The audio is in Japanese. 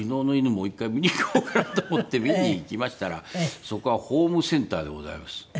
もう１回見に行こうかなと思って見に行きましたらそこはホームセンターでございます。